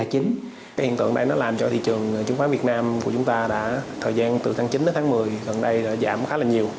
cái hiện tượng này nó làm cho thị trường chứng khoán việt nam của chúng ta đã thời gian từ tháng chín đến tháng một mươi gần đây đã giảm khá là nhiều